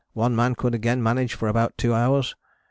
One man could again manage for about two hours.